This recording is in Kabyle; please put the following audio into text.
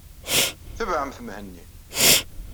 Tebɛemt Mhenni!